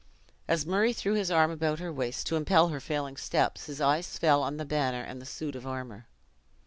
As Murray threw his arm about her waist, to impel her failing steps, his eyes fell on the banner and the suit of armor.